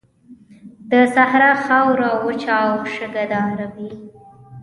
د صحرا خاوره وچه او شګهداره وي.